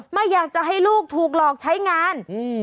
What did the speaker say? ไม่อยากจะให้ลูกถูกหลอกใช้งาน